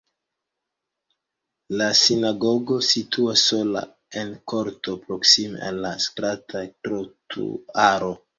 La sinagogo situas sola en korto proksime al la strata trotuaro.